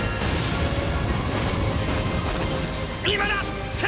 今だ！！